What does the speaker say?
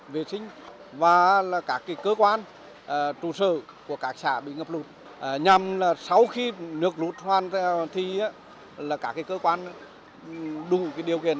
vệ sinh và các cơ quan trụ sở của các xã bị ngập lụt nhằm sau khi nước lụt hoàn thì các cơ quan đủ điều kiện